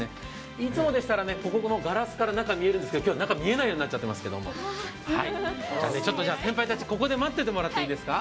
いつもでしたら、ガラスから中が見えるようになっていますけど今日は中が見えないようになっちゃっていますけど先輩たち、ここで待っててもらっていいですか。